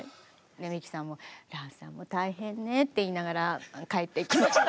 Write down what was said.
でミキさんも「蘭さんも大変ね」って言いながら帰っていきました。